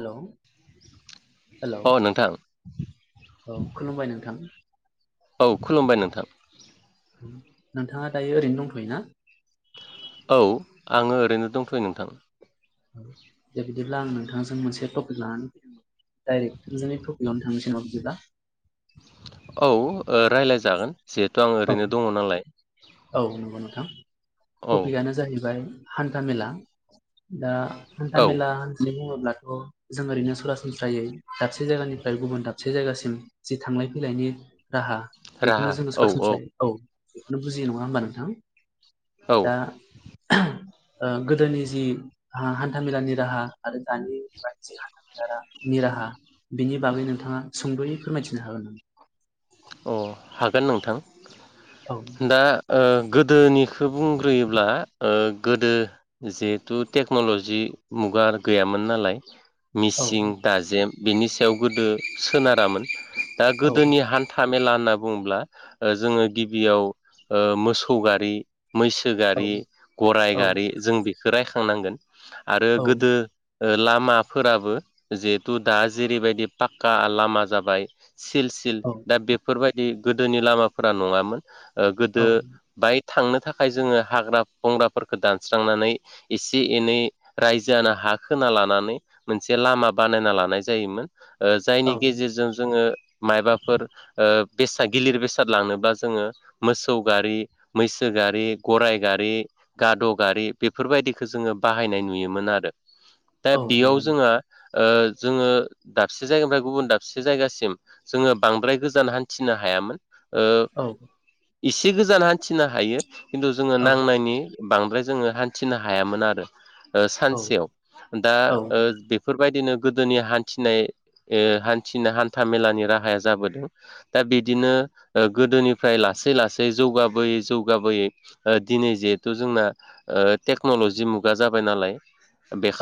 Hello hello अ नोंथां। औ खुलुमबाय नोंथां। औ खुलुमबाय नोंथां। औ, नोंथाङा दायो ओरैनो दंथ'यो ना? औ आङो ओरैनो दंथ'यो नोंथां। औ दे बिदिब्ला आं नोंथांजों मोनसे टपिक लानानै फैदोंमोन। डाइरेक्ट थोंजोंङै टपिकावनो थांनिसै नामा बिदिब्ला? औ ओ रायलाय जागोन। औ औ नंगौ नोंथां औ टपिकानो जाहैबाय हान्थामेला। दा हान्था औ मेला होननानै बुङोब्लाथ' जों ओरैनो सरासनस्रायै दाबसे जायगानिफ्राय गुबुन दाबसे जायगासिम जि थांलाय फैलायनि राहा बेखौनो राहा जोङो औ सरासनस्रायै औ बेखौनो बुजियो नङा होमबा नोंथां। औ दा ओ गोदोनि जि हा-हान्था मेलानि राहा आरो दानि बा जि [inaudible] नि राहा बिनि बागै नोंथाङा सुंद'यै फोरमायथिनो हागोन नामा? अ हागोन नोंथां। औ दा ओ गोदोनि खो बुंग्रोयोब्ला ओ गोदो जिहेथु टेक्नलजि मुगा गैयामोन। नालाय औ मिसिं दाजेम बिनि सायाव गोदो सोनारामोन। दा औ गोदोनि हान था मेला होनना बुङोब्ला ओ जोङो गिबियाव ओ मोसौ गारि मैसो औ गारि, गराय औ गारि जों बेखौ रायखांनांगोन आरो गोदो ओ लामाफोराबो जिहेथु दा जेरैबायदि पाक्का लामा जाबाय सिल सिल औ दा बेफोरबायदि गोदोनि लामाफोरा नङामोन ओ गोदो औ बाइक थांनो थाखाय जोङो हाग्रा बंग्राफोरखौ दानस्रांनानै एसे एनै रायजो आनो हा हा खोना लानानै मोनसे लामा बानायना लानाय जायोमोन। औ ओजायनि गेजेरजों जोङो माइबाफोर ओबेसा गिलिर बेसाद लांनोबा जोङो मोसौ गारि मैसो गारि गराय गारि गाद' गारि बेफोरबायदिखौ जोङो बाहायनाय नुयोमोन आरो दा औ बेयाव नंगौ जोङहा ओजोङो दाबसे जायगानिफ्राय गुबुन दाबसे जायगासिम जोङो बांद्राय गोजान हान्थिनो हायामोन ओ औ एसे गोजान हान्थिनो हायो। खिन्थु जोङो औ नांनायनि बांद्राय जोङो हान्थिनो हायामोन आरो। ओ औ सानसेयाव दा औ ओ बेफोरबायदिनो गोदोनि हान्थिनाय ओहान्थिनो हान्था मेलानि राहाया जाबोदों। दा बिदिनो गोदोनिफ्राय लासै लासै जौगाबोयै जौगाबोयै ओ दि दिनै जिहेथु जोंना ओ टेक्न'लजि मुगा जाबाय नालाय।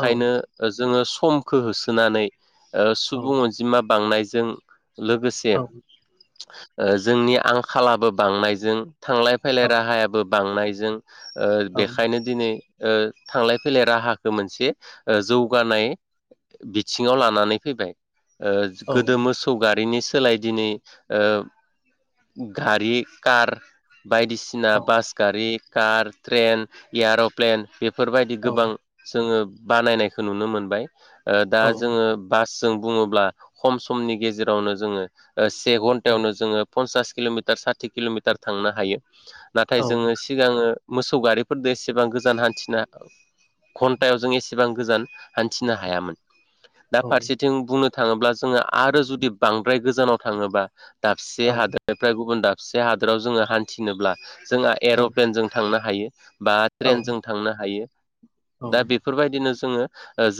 औ जोङो समखौ होसोनानै ओ सुबुं अनजिमा बांनाय। जों लोगोसे औ ओ जोंनि आंखालाबो बांनायजों थांलाय फैलाय राहायाबो बांनायजों। ओ बेखायनो दिनै ओ थांलाय फैलाय राहाखौ मोनसे ओ जौगानाय बिथिङाव लानानै फैबाय ओ औ गोदो मोसौ गारिनि सोलाय दिनै ओ गारि कार बायदिसिना बास गारि कार ट्रेन एयार'प्लेन बेफोरबायदि गोबां जोङो बानायनायखौ नुनो मोनबाय ओ दा औ जोङो औ बास जों बुङोब्ला खम समनि गेजेरावनो जोङो से घन्टायावनो जोङो पन्सास किल'मिटार साथि किल'मिटार थांनो हायो नाथाय जोङो सिगाङो मोसौ गारिफोरदो एसेबां गोजान हान्थिना घन्टायाव जों एसेबां गोजान हान्थिनो हायामोन। दा फारसेथिं बुंनो थाङोब्ला जोङो आरो जुदि बांद्राय गोजानाव थाङोबा दाबसे हादोरनिफ्राय गुबुन दाबसे हादोराव जोङो हान्थिनोब्ला जोंहा औ एर'प्लेनजो थांनो हायो। हायो बा ट्रेनजों थांनो हायो दा बेफोरबायदिनो जोङो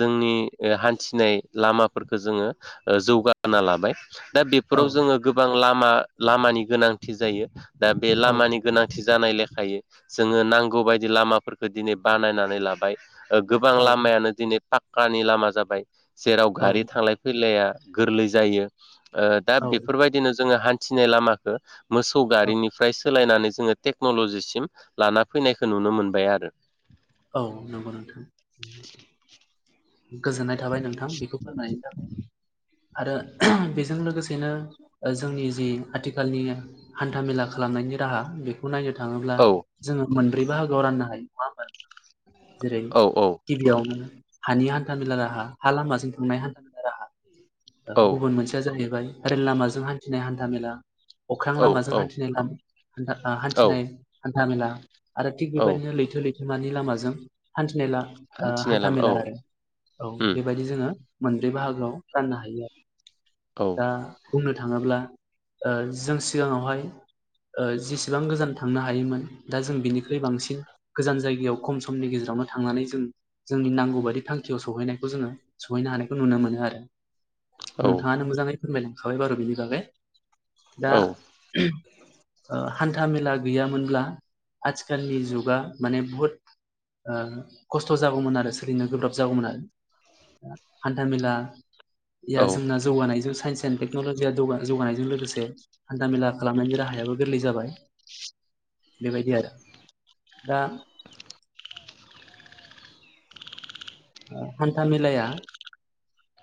जोंनि हान्थिनाय लामाफोरखौ जोङो जौगाना लाबाय दा बे फोराव जोङो गोबां लामा लामानि गोनांथि जायो दा बे लामानि गोनांथि जानाय लेखायै जोङो नांगौ बायदि लामाफोरखौ दिनै बानायनानै लाबाय। गोबां लामायानो दिनै पाक्कानि लामा जाबाय जेराव गारि थांलाय फैलाया गोरलै जायो ओ दा औ बेफोरबायदिनो जोङो हान्थिनाय लामाखौ मोसौ गारिनिफ्राय सोलायनानै जोङो टेक्न'ल'जिसिम लाना फैनायखौ नुनो मोनबाय आरो। औ नंगौ नोंथां। गोजोननाय थाबाय नोंथां बेखौ फोरोंनायनि थाखाय आरो बेजों लोगोसेनो जोंनि जि आथिखालनि हान्थामेला खालामनायनि राहा बेखौ नायनो थाङोब्ला औ जोङो मोनब्रै बाहागोआव राननो हायो नङा होनबा नोंथां? जेरै औ औ गिबियावनो हानि हान्थामेला राहा हा लामाजों थांनाय हान्थामेला राहा। औ गुबुन मोनसेया जाहैबाय रेल लामाजों हान्थिनाय हान्थामेला। अख्रां लामाजों औ हान्थिनाय औ हान्थिनाय हान्थामेला। आरो थिग औ बेबायदिनो लैथो लैथोमानि लामाजों हान्थिनाय ला ओ हान्थिनाय लामा औ हान्थामेला आरो औ उम बेबायदि जोङो मोनब्रै बाहागोआव राननो हायो आरो। औ दा बुंनो थाङोब्ला ओ जों सिगाङावहाय ओ जेसेबां गोजान थांनो हायोमोन दा जों बिनिख्रुइ बांसिन गोजान जायगायाव खम समनि गेजेराव नो थांनानै जों जोंनि नांगौ बादि थांखियाव सहैनायखौ जोङो सहैनो हानायखौ नुनो मोनो आरो। औ नोंथाङानो मोजाङै फोरमायलांखाबाय बारु' बिनि बागै दा औ [unintelligible] ओ हान्थामेला गैयामोनब्ला आथिखालनि जुगा माने बुहुद ओ खस्थ' जागौमोन आरो सोलिनो गोब्राब जागौमोन आरो। हान्थामेलाया औ जोंना जौगानायजों साइन्स एन्ड टेक्न'लजिया जोगाना-जौगानायजों लोगोसे हान्थामेला खालामनायनि राहायाबो गोरलै जाबाय। बेबायदि आरो दा ओ हान्थामेलाया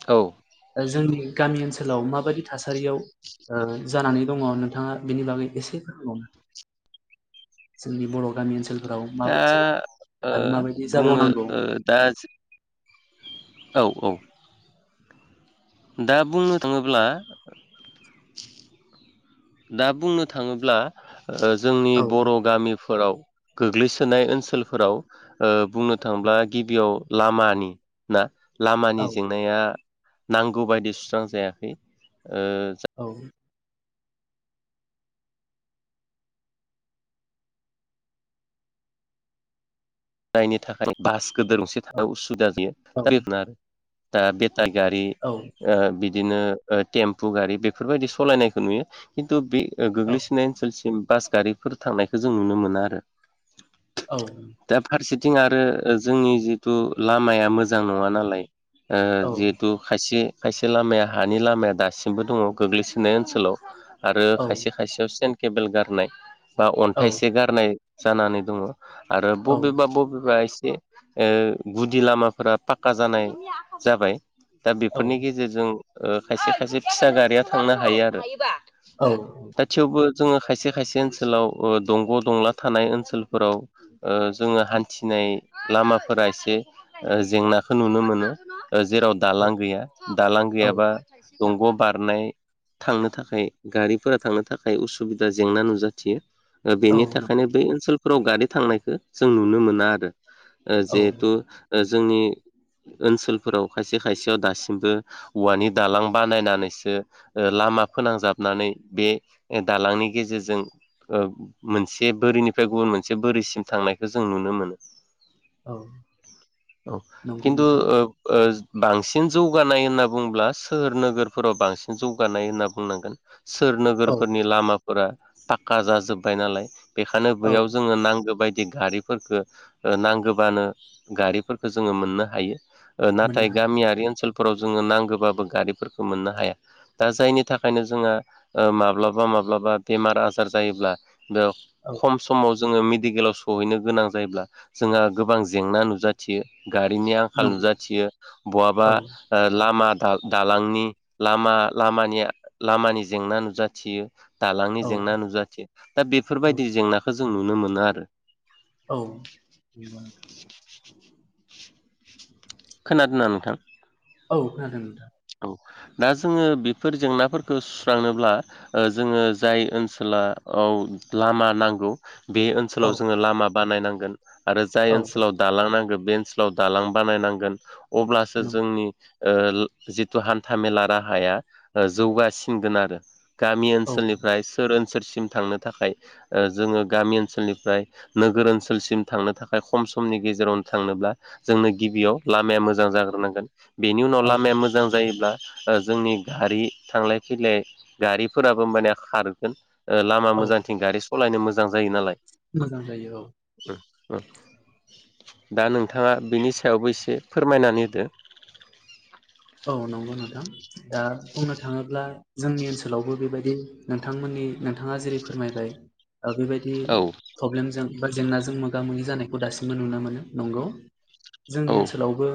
औ जोंनि गामि ओनसोलाव माबायदि थासारियाव ओ जानानै दङ' नोंथाङा बिनि बागै एसे फोरमायबावनो जोंनि बर' गामि ओनसोल ओ ओ बुङो जाबावनांगौ ओ दा औ औ। दा बुंनो थाङोब्ला दा बुंनो थाङोब्ला ओ जोंनि औ बर' गामिफोराव गोग्लैसोनाय ओनसोलफोराव ओ बुंनो थांब्ला गिबियाव लामानि ना लामानि औ जेंनाया नांगौ बायदि सुस्रां जायाखै ओ औ जायनि थाखाय बास गोदोर गंसे औ थांनो उसुबिदा [unintelligible] दा बे‌ जायगायारि औ ओ बि दिनो ओ टेम्पु गारि बेफोरबायदि सलायनायखो नुयो खिन्थु बे ओ औ गोग्लैसोनाय ओनसोलसिम बास गारिफोर थांनायखौ जों नुनो मोना आरो। औ दा फारसेथिं आरो जोंनि जिथु लामाया मोजां नङा नालाय ओ औ जिहेथु खायसे खायसे लामाया हानि लामाया दासिमबो दङ' गोग्लैसोनाय ओनसोलाव। आरो खायसे खायसेयाव चेन केेबोल गारनाय बा औ अन्थाइसे गारनाय जानानै दङ' आरो बबेबा बबेबा एसे ओ गुदि लामाफोरा पाक्का जानाय जाबाय। दा औ बेफोरनि गेजेरजों ओ खायसे खायसे फिसा गारिया थांनो हायो आरो। दा थेवबो जोङो खायसे खायसे ओनसोलाव ओ दंग' दंला थानाय ओनसोलफोराव ओ जोङो हान्थिनाय लामाफोरा एसे ओ जेंनाखो नुनो मोनो। ओ जेराव दालां गैया दालां औ गैयाबा दंग' बारनाय थांनो थाखाय गारिफोरा थांनो थाखाय उसुबिदा जेंना नुजाथियो। औ बेनि नंगौ थाखायनो बै ओनसोलफोराव गारि थांनायखो जों नुनो मोना आरो। ओ औ जिहेथु ओ जोंनि ओनसोलफोराव खायसे खायसेयाव दासिमबो औवानि दालां बानायनानैसो ओ ला मा फोनांजाबनानै बे दालांनि गेजेरजों ओ मोनसे बोरिनिफ्राय गुबुन मोनसे बोरिसिम थांनायखौ जों नुनो मोनो औ औ नंगौ खिथु नोंथां ओ बांसिन जौगानाय होनना बुंब्ला सोहोर नोगोरफोराव बांसिन जौगानाय होनना बुंनांगोन। सोर औ नोगोरफोरनि लामाफोरा पाक्का जाजोबबाय नालाय बेखायनो औ बैयाव जोङो नांगौ बाय दि गारिफोरखो ओ नांगोबानो गारिफोरखो जोङो मोननो हायो ओ मोननो नाथाय हायो गामियारि ओनसोल फोराव जोङो नांगोबाबो गारिफोरखौ मोननो हाया दा जायनि थाखायनो जोंहा ओ माब्लाबा मा ब्लाबा बेमार आजार जायोब्ला बेयाव औ खम समाव जोङो मेडिकेलाव सहैनो गोनां जायोब्ला जोंहा गोबां जेंना नुजाथियो। गारिनि आंखाल नंगौ नुजाथियो बहाबा औ ओ लामा दा-दालांनि लामा लामानिया लामानि जेंना नुजाथियो दालांनि औ जेंना नुजाथियो दा औ बेफोरबायदि जेंनाखौ जों नुनो मोनो आरो औ [inaudible] खोनादोंना नोंथां? औ खोनादों नोंथां। औ दा जोङो बेफोर जेंनाफोरखौ सुस्रांनोब्ला ओ जोङो जाय ओनसोला औ लामा नांगौ। बे औ ओनसोलाव जोङो लामा बानायनांगोन आरो जाय औ ओनसोलाव दालां नांगोन बे ओनसोलाव दालां बानायनांगोन अब्लासो नंगौ जोंनि ओ जिथु हान्थामेला राहाया ओ जौगासिनगोन आरो। गामि औ ओनसोलनिफ्राय सोर ओन सोलसिम थांनो थाखाय ओ जोङो गामि ओनसोलनिफ्राय नोगोर ओनसोलसिम थांनो थाखाय खम समनि गेजेराव थांनोब्ला जोंनो गिबियाव लामाया मोजां जाग्रोनांगोन बेनि उनाव औ लामाया मो जायोब्ला ओ जोंनि गारि थांलाय फैलाय गारिफोराबो माने खारगोन। ओ लामा औ मोजांथिं गारि सालायनो मोजां जायो नालाय। मोजां जायो औ। दा नोंथाङा बिनि सायावबो एसे फोरमायनानै होदो। [inaudible] औ नंगौ नोंथां दा बुंनो थाङोब्ला जोंनि ओनसोलावबो बेबायदि नोंथांमोननि दि नोंथाङा जेरै फोरमायबाय ओ बेबायदि औ प्रब्लेमजों बा जेंनाजों मोगा मोगि जानायखौ दासिमबो नुनो मोनो नंगौ। जोंनि औ ओनसोलावबो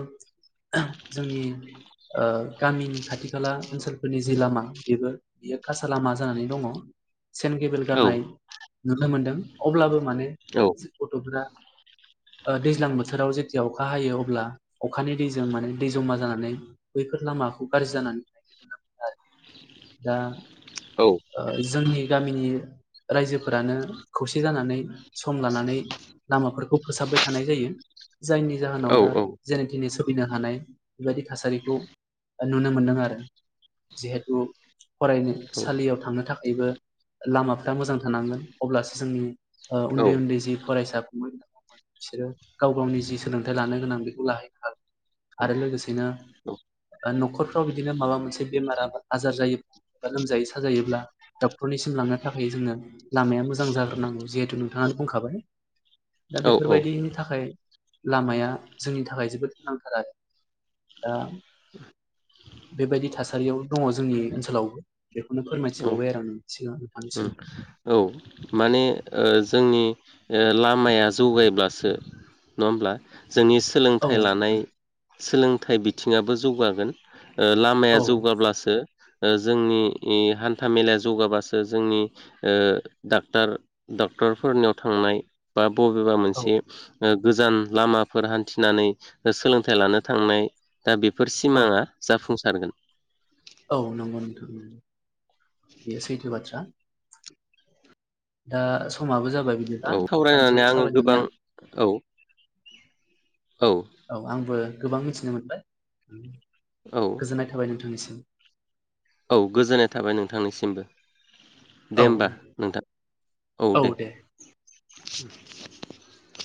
जोंनि ओ गामिनि खाथि खाला ओनसोलफोरनि जि लामा बेबो बेयो खासा लामा जानानै दङ। सेन्द गेबिल औ गारनाय नुनो मोनदों अब्लाबो माने औ गथ'फोरा [inaudible] ओ दैज्लां बोथोराव जेथिया अखा हायो अब्ला अखानि दैजों माने दै जमा जानानै बैफोर लामाखौ गाज्रि जानानै [unintelligible] दा औ ओ जोंनि गामिनि रायजोफोरानो खौसे जानानै सम लानानै लामाफोरखौ फोसाबबाय थानाय जायो। जायनि जाहोनाव औ दा जेने तेने सोलिनो हानाय बेबायदि थासारि गौ नुनो मोनदों आरो जिहेथु फरायनोसालियाव थांनो थाखायबो लामाफोरा मोजां थानांगोन अब्लासो जोंनि ओ उन्दै उन्दै जि फरायसा [unintelligible] सोरो गाव गावनि जि सोलोंथाइ लानो गोनां बेखौ लाहैनो हागोन। आरो लोगोसेनो ओ न'खरफ्राव बिदिनो माबा मोनसे बेमार आजार जायो बा लोमजायो साजायोब्ला डक्टरनिसिम लांनो थाखाय जोंनो लामाया मोजां जाग्रोनांगौ जिहेथु नोंथाङा बुंखाबाय दा औ बेफोरबायदिनि थाखाय लामाया जोंनि थाखाय जोबोद गोनांथार आरो दा बेबायदि थासारियाव दङ जोंनि ओनसोलावबो [unintelligible] ओम औ माने ओ जोंनि ओ लामाया जौगायोब्लासो नङा होमब्ला? जोंनि औ सोलोंथाइ लानाय नोंथां सोलोंथाइ बिथिङाबो जौगागोन। ओ लामाया औ जौगाब्लासो जोंनि हान्था मेलाया जौगाबासो ओ जोंनि ओ डाक्टार डक्टरफोरनियाव थांनाय बा बबेबा औ मोनसे ओ गोजान लामाफोर हान्थिनानै सोलोंथाइ लानो थांनाय दा बेफोर औ सिमाङा जाफुंसारगोन औ नंगौ नोंथां बेयो सैथो बाथ्रा। दा समाबो जाबाय बिदिबा औ नोंथांजों सावरायनानै आङो सावरायनानै गोबां आं औ औ आंबो गोबां मिथिनो मोनबाय औ गोजोननाय थाबाय नोंथांनिसिम। औ गोजोननाय थाबाय नोंथांनिसिमबो। दे औ होमबा नोंथां औ दे [unintelligible]